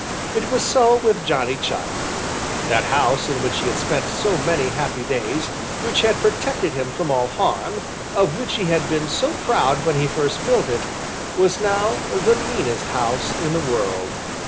It was so with Johnny Chuck. That house in which he had spent so many happy days, which had protected him from all harm, of which he had been so proud when he first built it, was now the meanest house in the world.